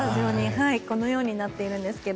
このようになっているんですが。